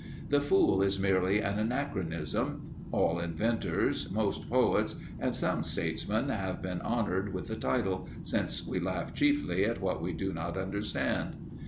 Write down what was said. The fool is merely an anachronism. All inventors, most poets, and some statesmen have been honoured with the title, since we laugh chiefly at what we do not understand.